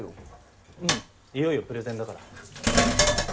いよいよプレゼンだから。